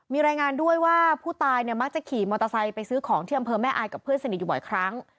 มีรายงานด้วยว่าผู้ตายเนี่ยมักจะขี่มอเตอร์ไซค์ไปซื้อของที่อำเภอแม่อายกับเพื่อนสนิทอยู่บ่อยครั้ง